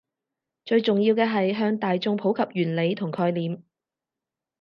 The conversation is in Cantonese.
最重要嘅係向大衆普及原理同概念